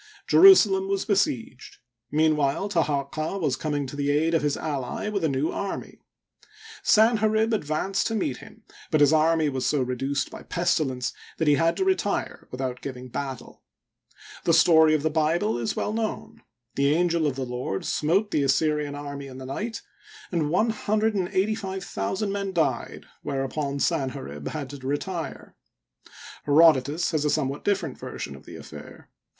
Jerusalem was besieged. Meanwhile Taharqa was coming to the aid of his ally with a new army, Sanherib advanced to meet him, but Digitized byCjOOQlC 120 HISTORY OF EGYPT. ' his army was so reduced by pestilence that he had to re tire without giving battle. The story of the Bible is "well known. The angel of the Lord smote the Assyrian army in the night and one hundred and eighty five thousand men died, whereupon Sanherib had to retire. Herodotus has a somewhat different version of the affair.